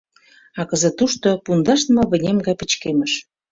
А кызыт тушто пундашдыме вынем гай пычкемыш.